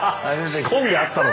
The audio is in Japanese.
仕込んであったのか！